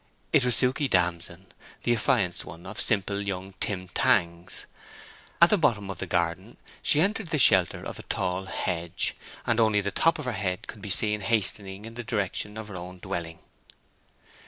It was Suke Damson, the affianced one of simple young Tim Tangs. At the bottom of the garden she entered the shelter of the tall hedge, and only the top of her head could be seen hastening in the direction of her own dwelling.